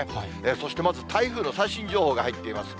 そして、まず台風の最新情報が入っています。